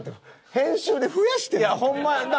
編集で増やしてる？ホンマやな。